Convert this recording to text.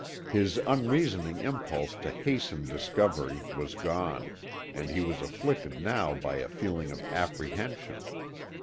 His unreasoning impulse to hasten discovery was gone, and he was afflicted now by a feeling of apprehension.